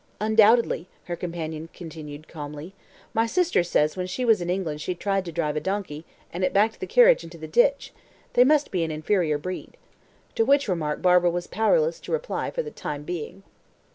"Undoubtedly," her companion continued calmly. "My sister says when she was in England she tried to drive a donkey, and it backed the carriage into the ditch. They must be an inferior breed." To which remark Barbara was powerless to reply for the time being.